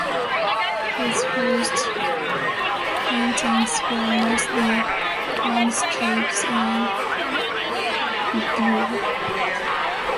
His first paintings were mostly landscapes and vedute.